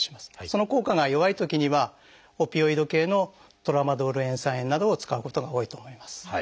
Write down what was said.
その効果が弱いときにはオピオイド系のトラマドール塩酸塩などを使うことが多いと思います。